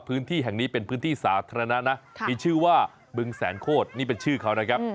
พื้นที่แห่งนี้เป็นพื้นที่สาธารณะนะมีชื่อว่าบึงแสนโคตรนี่เป็นชื่อเขานะครับ